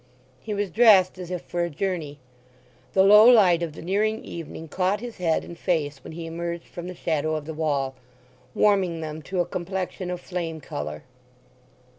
He was dressed as if for a journey. The low light of the nearing evening caught his head and face when he emerged from the shadow of the wall, warming them to a complexion of flame colour.